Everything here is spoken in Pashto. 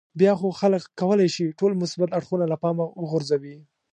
بیا خو خلک کولای شي ټول مثبت اړخونه له پامه وغورځوي.